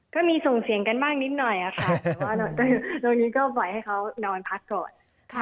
ก็มีส่งเสียงกันมากนิดหน่อยค่ะแต่ว่าตอนนี้ก็ปล่อยให้เขานอนพักก่อน